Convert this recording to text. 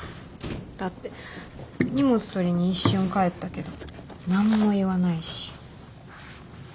だって荷物取りに一瞬帰ったけど何も言わないし。